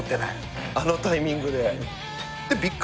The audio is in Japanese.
あのタイミングで。